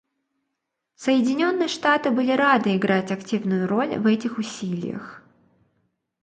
Соединенные Штаты были рады играть активную роль в этих усилиях.